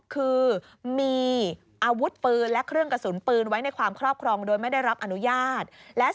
คือมีอาวุธปืนและเครื่องกระสุนปืนไว้ในความครอบครองโดยไม่ได้รับอนุญาต